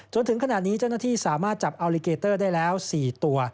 จนถึงขณะนี้เจ้าหน้าที่สามารถจับอัลลิเกเตอร์ได้แล้ว๔ตัว